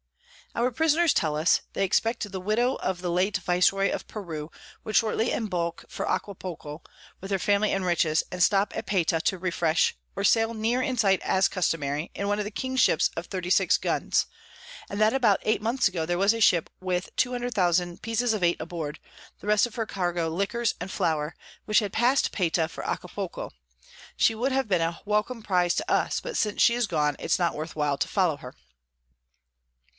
Our Prisoners tell us, they expect the Widow of the late Vice Roy of Peru would shortly embark for Aquapulco, with her Family and Riches, and stop at Payta to refresh, or sail near in sight as customary, in one of the King's Ships of 36 Guns; and that about eight months ago there was a Ship with 200000 Pieces of Eight aboard, the rest of her Cargo Liquors and Flower, which had pass'd Payta for Aquapulco: she would have been a welcome Prize to us, but since she is gone, it's not worth while to follow her.